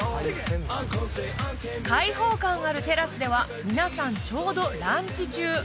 開放感あるテラスでは皆さんちょうどランチ中